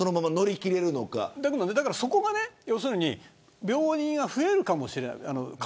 そこが要するに病人は増えるかもしれない。